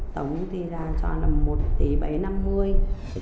tổng tỷ ra cho là một tỷ bảy năm mươi